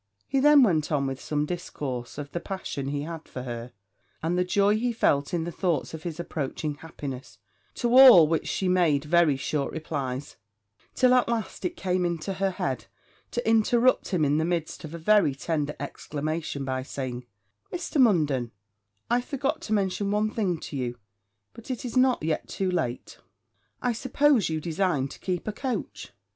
He then went on with some discourses of the passion he had for her, and the joy he felt in the thoughts of his approaching happiness: to all which she made very short replies; till at last it came into her head to interrupt him in the midst of a very tender exclamation, by saying, 'Mr. Munden, I forgot to mention one thing to you; but it is not yet too late I suppose you design to keep a coach?'